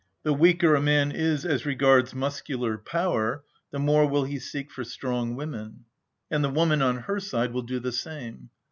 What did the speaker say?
The weaker a man is as regards muscular power the more will he seek for strong women; and the woman on her side will do the same.